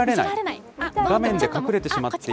画面で隠れてしまって。